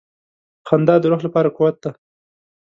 • خندا د روح لپاره قوت دی.